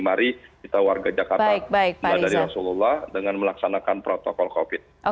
mari kita warga jakarta meladani rasulullah dengan melaksanakan protokol covid